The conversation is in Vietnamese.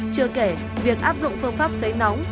chưa kể việc áp dụng phương pháp sấy nóng